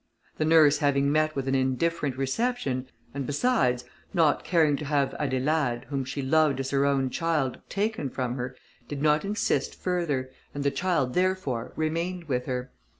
The nurse having met with an indifferent reception, and, besides, not caring to have Adelaide, whom she loved as her own child, taken from her, did not insist further, and the child, therefore, remained with her.